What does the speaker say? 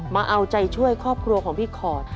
มาเอาใจช่วยครอบครัวของพี่ขอด